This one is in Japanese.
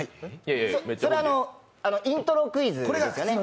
それはイントロクイズですよね。